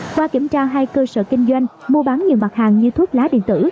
qua kiểm tra hai cơ sở kinh doanh mua bán nhiều mặt hàng như thuốc lá điện tử